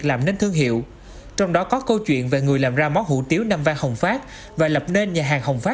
làm nên thương hiệu trong đó có câu chuyện về người làm ra món hủ tiếu nam vàng hồng phát và lập nên